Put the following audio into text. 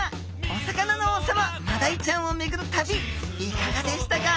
お魚の王様マダイちゃんをめぐる旅いかがでしたか？